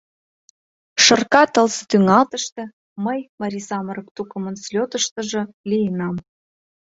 — Шырка тылзе тӱҥалтыште мый марий самырык тукымын слётыштыжо лийынам.